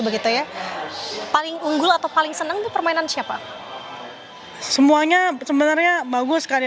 begitu ya paling unggul atau paling seneng tuh permainan siapa semuanya sebenarnya bagus kan